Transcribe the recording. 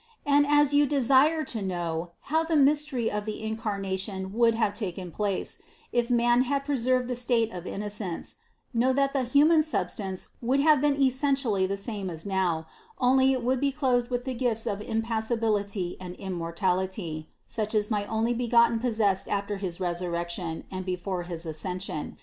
And as you desire to know, how the mystery of the Incarnation would have taken place, if man had preserved the state of innocence, know, that the human substance would have been essentially the same as now, only it would be clothed with the gifts of impassibility and immortality, such as my Onlybegotten possessed after his Resurrection and before his Ascension.